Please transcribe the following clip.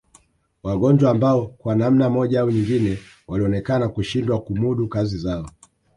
Wagonjwa ambao kwa namna moja au nyingine walionekana kushindwa kumudu kazi zao